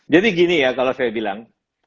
jadi gini ya kalau saya bilang